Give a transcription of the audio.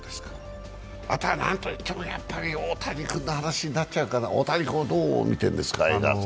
あとは何と言っても、やはり大谷君の話になっちゃうから、大谷君はどう見ているんですか、江川さん？